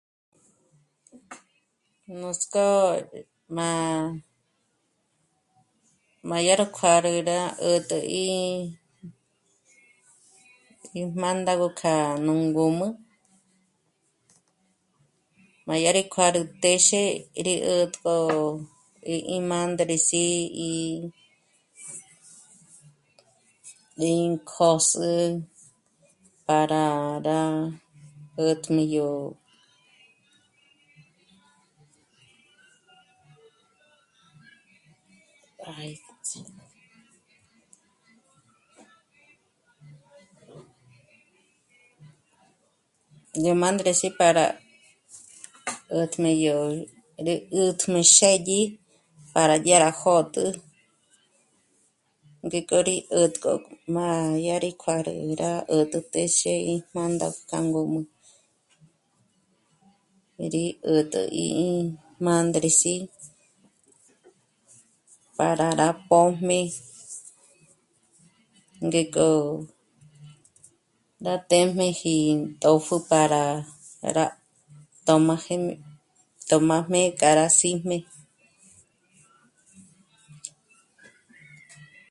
Nuts'k'ó má, má yá ró kjuárü rá 'ä̀t'ä í mândago kja nú ngǔm'ü; má yá rí kjuárü téxe rí 'ä̀t'ko í mândres'i í..., ín kjôs'ü para rá 'ä̀tm'i yó... mândres'i para rá 'ä̀tm'i yó, rí 'ä̀tm'i xë́dyi para dyá rá jôt'ü ngík'o rí 'ä̀t'ko má dyá rí kjuárü rá 'ä̀t'ä téxe í mândago k'a ngǔm'ü, rí 'ä̀t'ä í mândres'i para rá pójmé, ngék'o rá téjm'eji ín tòpjü para rá tö̌m'ajmé, tö̌m'ajmé k'a rá sí'm'e